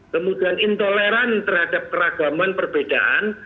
kemudian intoleran terhadap keragaman perbedaan